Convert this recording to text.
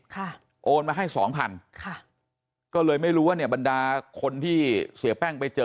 โอนมาให้สองพันค่ะก็เลยไม่รู้ว่าเนี่ยบรรดาคนที่เสียแป้งไปเจอ